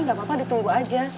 gak apa apa ditunggu aja